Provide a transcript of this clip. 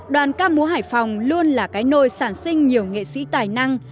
đoàn ca múa hải phòng luôn là cái nôi sản sinh nhiều nghệ sĩ tài năng